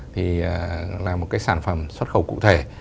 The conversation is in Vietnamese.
thì là một cái sản phẩm xuất khẩu cụ thể